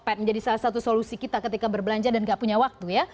tokped menjadi salah satu solusi kita ketika berbelanja dan tidak punya waktu